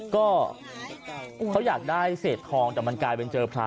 ก็เขาอยากได้เศษทองแต่มันกลายเป็นเจอพระ